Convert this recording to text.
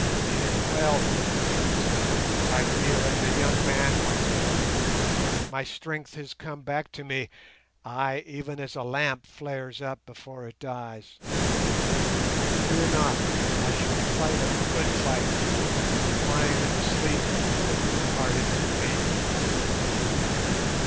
"It is well," he said. "I feel as a young man once more. My strength has come back to me, ay, even as a lamp flares up before it dies. Fear not, I shall fight a good fight; the wine and the sleep have put a new heart into me.